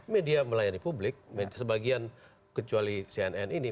media melayani publik sebagian kecuali cnn ini